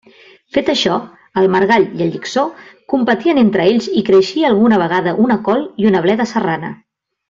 Fet això, el margall i el llicsó competien entre ells i creixia alguna vegada una col i una bleda serrana.